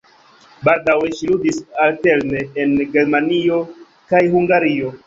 Baldaŭe ŝi ludis alterne en Germanio kaj Hungario.